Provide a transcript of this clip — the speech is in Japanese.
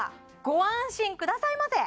ご安心くださいませ！